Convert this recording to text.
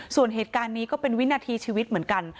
ส่วนเหตุการณ์นี้ก็เป็นวินาทีชีวิตเหมือนกัน